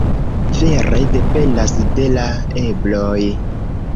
Vere dependas de la ebloj.